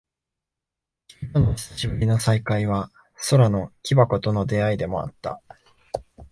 君との久しぶりの再会は、空の木箱との出会いでもあった。